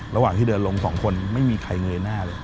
ระหว่างที่เดินลง๒คนไม่มีใครเงยหน้าเลย